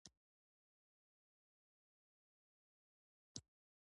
نیکه تل د سولې خبرې کوي.